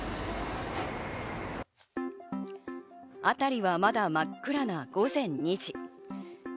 あたりはまだ真っ暗な午前２時。